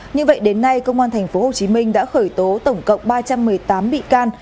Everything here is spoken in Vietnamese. như vậy đến nay công an tp hcm đã khởi tố tổng cộng ba trăm một mươi tám bị can